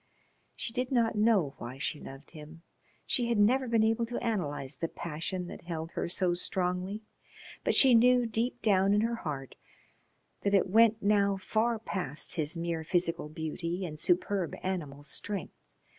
She did not know why she loved him, she had never been able to analyse the passion that held her so strongly, but she knew deep down in her heart that it went now far past his mere physical beauty and superb animal strength.